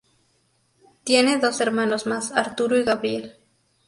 Tiene dos hermanos más: Arturo y Gabriel.